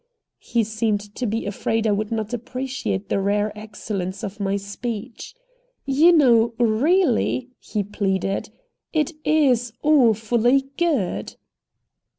He seemed to be afraid I would not appreciate the rare excellence of my speech. "You know, really," he pleaded, "it is AWFULLY good!"